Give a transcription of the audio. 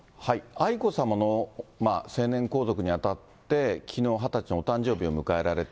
愛子さまの成年皇族にあたって、きのう２０歳のお誕生日を迎えられて。